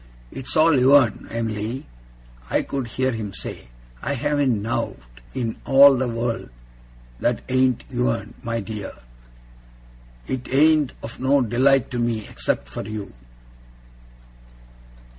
'It's all yourn, Em'ly,' I could hear him say. 'I haven't nowt in all the wureld that ain't yourn, my dear. It ain't of no delight to me, except for you!